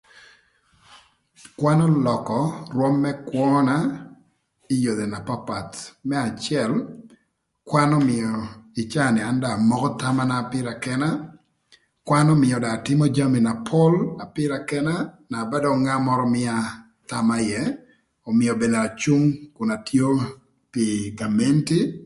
Kwan ölökö rwöm më kwöna ï yodhi na papath. Më acël kwan ömïö ï caa ni an dong amoko thamana pïra këna, kwan ömïö dong atïmö jami na pol pïra këna na ba dök ngat mörö mïa thama ïë ömïö thon acung nakun atio pï gamenti.